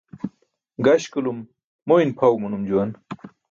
Gaśkulum moyn pʰaw manum juwan.